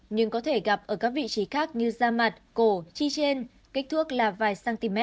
nhưng có thể gặp ở các vị trí khác như da mặt cổ chi trên kích thước là vài cm